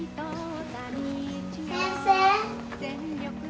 先生。